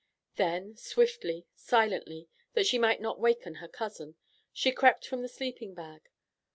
Then, swiftly, silently, that she might not waken her cousin, she crept from the sleeping bag.